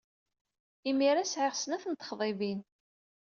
Imir-a sɛiɣ snat n texḍibin.